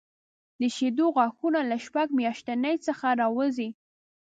د شېدو غاښونه له شپږ میاشتنۍ څخه راوځي.